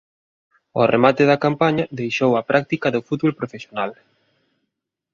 Ao remate da campaña deixou a práctica do fútbol profesional.